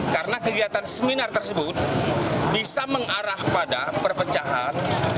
karena kegiatan seminar tersebut bisa mengarah pada perpencahan